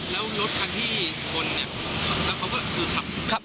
แล้วรถคันที่ชนเนี่ยแล้วเขาก็คือขับ